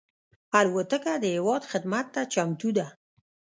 الوتکه د هېواد خدمت ته چمتو ده.